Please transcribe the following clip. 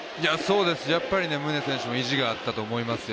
やっぱり宗選手、意地があったと思いますよ。